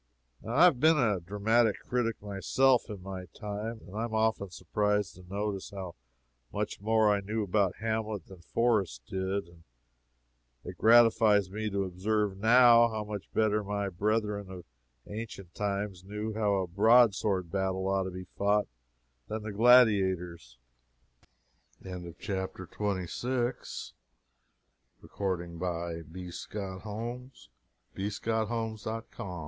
I have been a dramatic critic myself, in my time, and I was often surprised to notice how much more I knew about Hamlet than Forrest did; and it gratifies me to observe, now, how much better my brethren of ancient times knew how a broad sword battle ought to be fought than the gladiators. CHAPTER XXVII. So far, good. If any man has a right to feel proud of himself, and satis